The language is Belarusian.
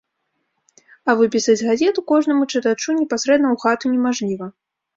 А выпісаць газету кожнаму чытачу непасрэдна ў хату немажліва.